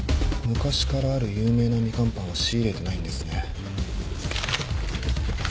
昔からある有名なみかんパンは仕入れてないんですね。